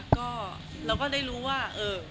ก็เราก็ได้รู้ว่า